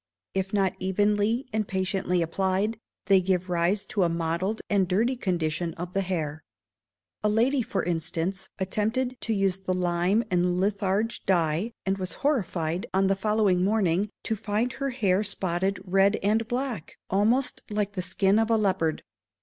If not evenly and patiently applied, they give rise to a mottled and dirty condition of the hair. A lady, for instance, attempted to use the lime and litharge dye, and was horrified on the following morning to find her hair spotted red and black, almost like the skin of a leopard.